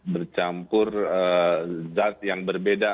bercampur zat yang berbeda